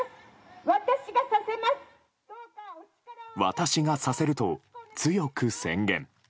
私がさせると強く宣言。